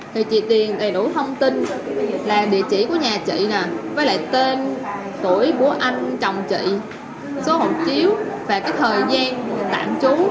thì chị tiền đầy đủ thông tin là địa chỉ của nhà chị nè với lại tên tuổi của anh chồng chị số hộ chiếu và cái thời gian tạm trú